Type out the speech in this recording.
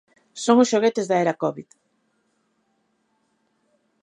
Son os xoguetes da era Covid.